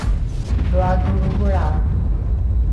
loa toloholrae!